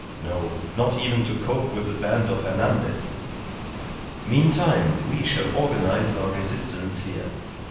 No; not even to cope with the band of Hernandez. Meantime we shall organize our resistance here.